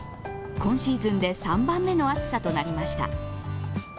今シーズンで３番目の暑さとなりました。